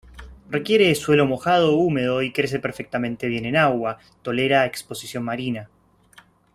Requiere suelo mojado o húmedo, y crece perfectamente bien en agua; tolera exposición marina.